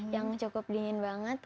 yang cukup dingin banget